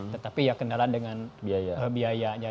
tetapi ya kendala dengan biaya